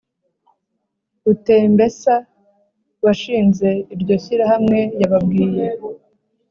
rutembesa washinze iryo shyirahamwe yababwiye